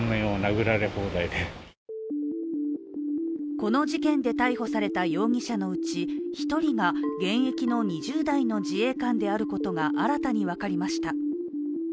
この事件で逮捕された容疑者のうち１人が現役の２０代の自衛官であることが新たに分かりました。